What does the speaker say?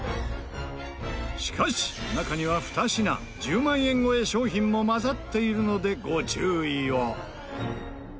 しかし中には２品１０万円超え商品も混ざっているのでご注意を。